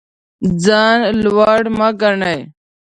ځان لوړ مه ګڼئ.